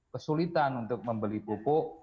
kesulitan untuk membeli pupuk